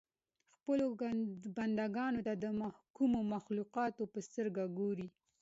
خپلو بنده ګانو ته د مکرمو مخلوقاتو په سترګه ګوري.